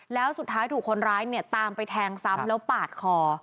แล้วสุดท้ายถูกคนร้ายเนี่ยตามไปแทงซ้ำแล้วปาดคอ